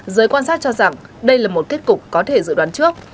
giới quan sát cho rằng đây là một kết cục có thể dự đoán trước